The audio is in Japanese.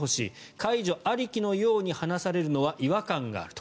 解除ありきのように話されるのは違和感があると。